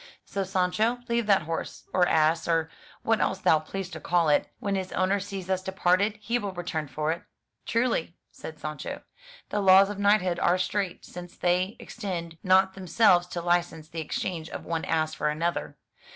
So, Sancho, leave that horse, or ass, or what else thou pleasest to call it; when his owner sees us departed, he will return for it.'* * Truly," said Sancho, '*the laws of knighthood are strait, since they extend not themselves to license the exchange of one ass for another.